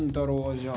じゃあ。